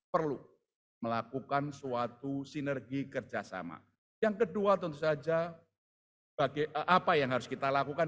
perlu melakukan suatu sinergi kerjasama yang kedua tentu saja sebagai apa yang harus kita lakukan